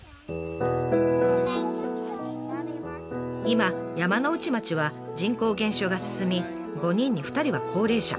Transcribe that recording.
今山ノ内町は人口減少が進み５人に２人は高齢者。